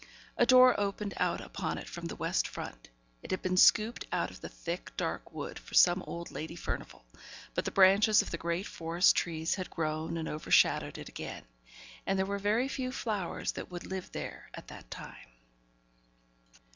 A door opened out upon it from the west front; it had been scooped out of the thick, dark wood for some old Lady Furnivall; but the branches of the great forest trees had grown and overshadowed it again, and there were very few flowers that would live there at that time.